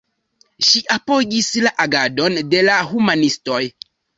Ŝi apogis la agadon de la humanistoj.